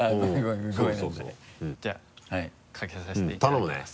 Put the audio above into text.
じゃあかけさせていただきます。